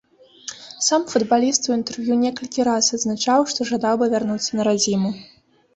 Сам футбаліст у інтэрв'ю некалькі раз адзначаў, што жадаў бы вярнуцца на радзіму.